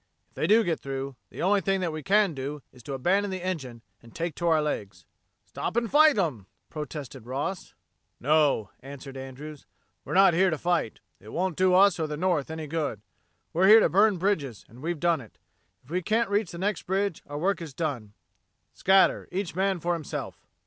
If they do get through, the only thing that we can do is to abandon the engine and take to our legs." "Stop and fight 'em," protested Boss. "No," answered Andrews. "We're not here to fight. It won't do us or the North any good. We're here to burn bridges and we've done it. If we can't reach the next bridge our work is done. Scatter each man for himself!"